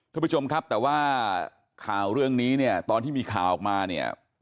ทุกผู้ชมครับแต่ว่าข่าวเรื่องนี้เนี่ยตอนที่มีข่าวออกมาเนี่ย